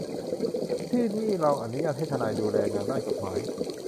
ที่นี่เราอนุญาตให้ทนายดูแลงานด้านกฎหมาย